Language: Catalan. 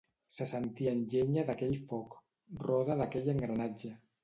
Se sentien llenya d'aquell foc; roda d'aquell engranatge;